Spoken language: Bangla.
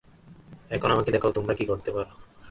এখন আমাকে দেখাও, তোমরা কি করতে পার।